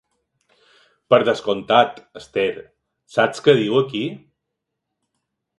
Per descomptat, Esther, saps què diu aquí?